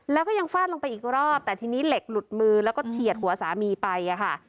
แล้วก็ยังฟาดลงไปอีกรอบแต่ทีนี้เหล็กหลุดมือแล้วก็เฉียดหัวสามีไปอะค่ะ